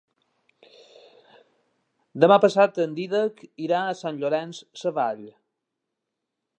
Demà passat en Dídac irà a Sant Llorenç Savall.